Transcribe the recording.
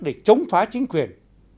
để chống phá chính quyền